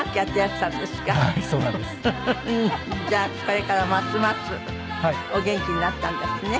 じゃあこれからますますお元気になったんだしね